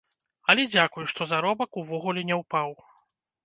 Але дзякуй, што заробак увогуле не ўпаў.